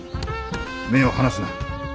目を離すな。